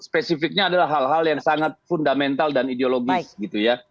spesifiknya adalah hal hal yang sangat fundamental dan ideologis gitu ya